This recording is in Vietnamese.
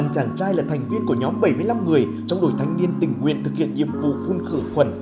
một chàng trai là thành viên của nhóm bảy mươi năm người trong đội thanh niên tình nguyện thực hiện nhiệm vụ phun khử khuẩn